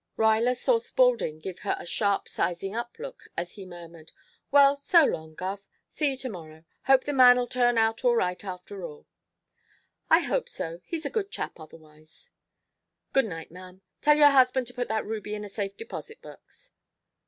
Ruyler saw Spaulding give her a sharp "sizing up" look, as he murmured, "Well, so long, Guv. See you to morrow. Hope the man'll turn out all right after all." "I hope so. He's a good chap otherwise." "Good night, ma'am. Tell your husband to put that ruby in a safe deposit box."